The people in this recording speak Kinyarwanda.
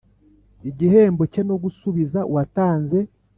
igihembo cye no gusubiza uwatanze